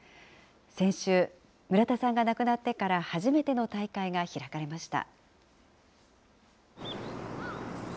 先週、村田さんが亡くなってから初めての大会が開かれました。